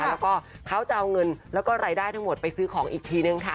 แล้วก็เขาจะเอาเงินแล้วก็รายได้ทั้งหมดไปซื้อของอีกทีนึงค่ะ